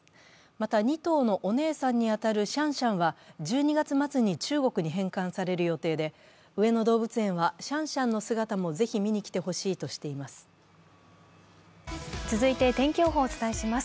また、２頭のお姉さんに当たるシャンシャンは１２月末に中国に返還される予定で、上野動物園はシャンシャンの姿もぜひ見に来てほしいとしています。